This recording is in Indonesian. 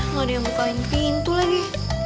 nggak ada yang bukain pintu lagi